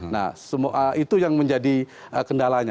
nah itu yang menjadi kendalanya